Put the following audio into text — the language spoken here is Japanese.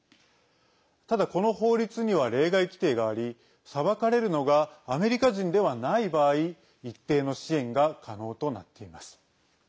ただ、この法律には例外規定があり裁かれるのがアメリカ人ではない場合一定の支援が可能となっています。